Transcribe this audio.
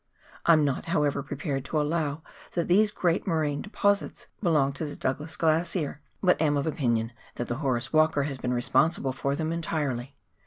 I am not, however, prepared to allow that these great moraine deposits belong to the Douglas Glacier, but am of opinion that the Horace Walker has been responsible for them entirely.